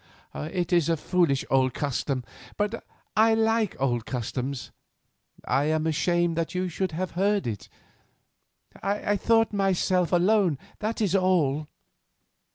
It is a foolish old custom, but I like old customs. I am ashamed that you should have heard it. I thought myself alone. That is all."